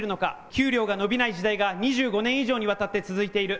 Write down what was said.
給料が伸びない時代が２５年以上にわたって続いている。